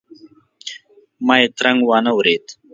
ما یې ترنګ وانه ورېد.